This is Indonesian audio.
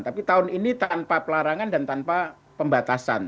tapi tahun ini tanpa pelarangan dan tanpa pembatasan